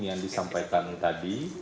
yang disampaikan tadi